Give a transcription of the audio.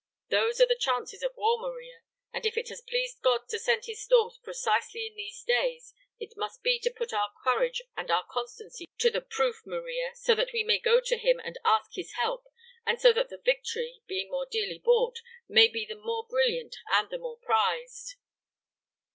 Those are the chances of war, Maria; and if it has pleased God to send His storms precisely in these days it must be to put our courage and our constancy to the proof, Maria, so that we may go to Him and ask His help, and so that the victory, being more dearly bought, may be the more brilliant and the more prized."